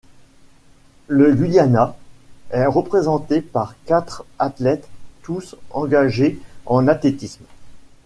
Le Guyana est représenté par quatre athlètes tous engagés en athlétisme.